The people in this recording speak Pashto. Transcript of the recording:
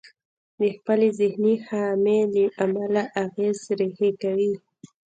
د خپلې ذهني خامي له امله اغېز ريښې کوي.